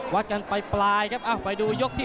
วัดกันไปปลายไปดูโยคที่๔